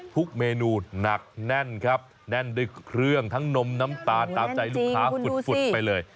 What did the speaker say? ทุกเมนูหนักแน่นครับแน่นด้วยเครื่องทั้งนมน้ำตาลตามใจลูกค้าฝุดไปเลย